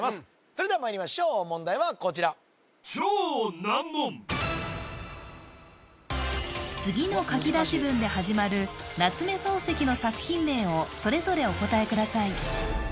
それではまいりましょう問題はこちら次の書き出し文で始まる夏目漱石の作品名をそれぞれお答えください